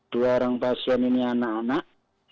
dua orang pasien ini anak anak